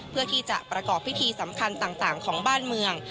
เพื่อที่จะประกอบพิธีสำคัญต่างของบ้านเมือง